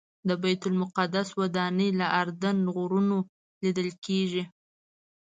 د بیت المقدس ودانۍ له اردن غرونو لیدل کېږي.